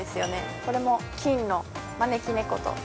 これも、金の招き猫と。